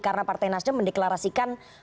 karena partai nasdem mendeklarasikan